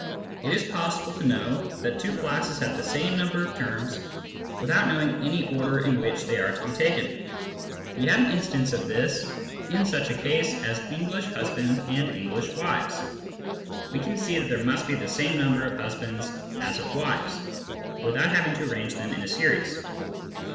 It is possible to know that two classes have the same number of terms without knowing any order in which they are to be taken. We have an instance of this in such a case as English husbands and English wives : we can see that there must be the Digitized by Google 132 SCIENTIFIC METHOD IN PHILOSOPHY same number of husbands as of wives, without having to arrange them in a series.